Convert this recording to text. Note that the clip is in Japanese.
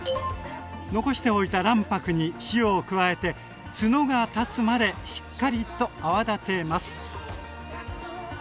残しておいた卵白に塩を加えてツノが立つまでしっかりと泡立てます。